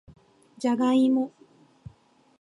じゃがいも